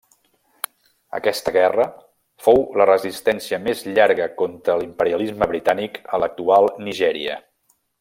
Aquesta guerra fou la resistència més llarga contra l'imperialisme britànic a l'actual Nigèria.